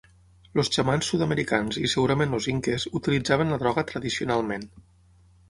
Els xamans sud-americans i segurament els inques, utilitzaven la droga tradicionalment.